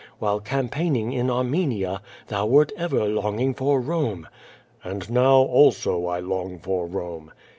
While campaigning in Armenia, they wert ever longing for Rome." "And now, also, I long for Rome."